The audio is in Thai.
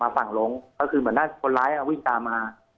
ฝั่งลงก็คือเหมือนถ้าคนร้ายวิ่งตามมา